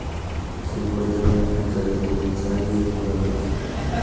Se encuentra en África desde Tanzania a Sudáfrica.